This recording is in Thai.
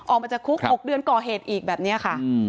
ออกมาจากคุก๖เดือนก่อเหตุอีกแบบนี้ค่ะ